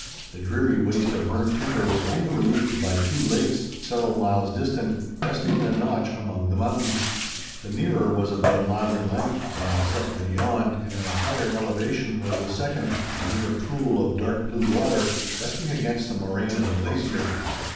The dreary waste of burnt timber was only relieved by two lakes, several miles distant, resting in a notch among the mountains. The nearer was about a mile in length, while slightly beyond, and at a higher elevation, was the second, a mere pool of dark blue water, resting against the moraine of a glacier.